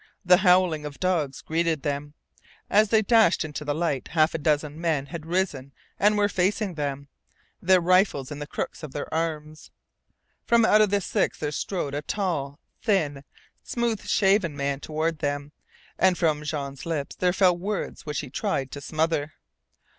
The howling of dogs greeted them. As they dashed into the light half a dozen men had risen and were facing them, their rifles in the crooks of their arms. From out of the six there strode a tall, thin, smooth shaven man toward them, and from Jean's lips there fell words which he tried to smother.